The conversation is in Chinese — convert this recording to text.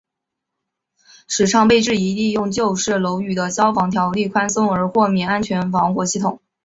时昌被质疑利用旧式楼宇的消防条例宽松而豁免安装防火系统。